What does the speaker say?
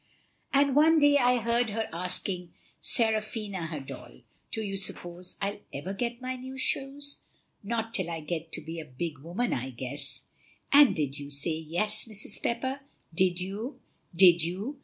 "And one day I heard her asking Seraphina her doll, 'Do you suppose I'll ever get my new shoes? Not till I get to be a big woman, I guess.'" "And did you say 'Yes', Mrs. Pepper did you did you?"